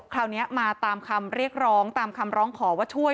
คราวนี้มาตามคำเรียกร้องตามคำร้องขอว่าช่วย